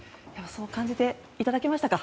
そう感じていただけましたか？